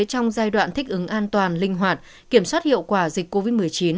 trong giai đoạn thích ứng an toàn linh hoạt kiểm soát hiệu quả dịch covid một mươi chín